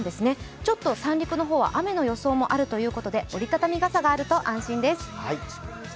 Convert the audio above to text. ちょっと三陸の方は雨の予想もあるということで折り畳み傘があると安心です。